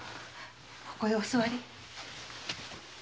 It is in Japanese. ここへお座り。